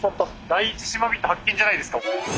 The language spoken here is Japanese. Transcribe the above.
第一島人発見じゃないですか。